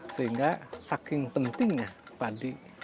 sehingga saking pentingnya padi